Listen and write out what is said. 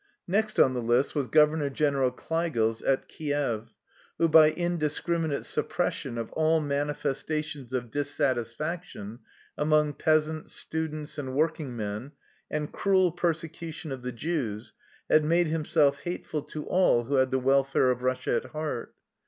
Next on the list was Governor General Kleigels at Kief, who by indiscriminate suppres sion of all manifestation of dissatisfaction among peasants, students, and workingmen and cruel persecution of the Jews had made himself hateful to all who had the welfare of Russia at heart.